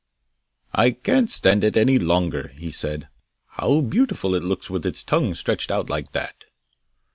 'I can't stand it any longer!' he said. 'How beautiful it looks with its tongue stretched out like that!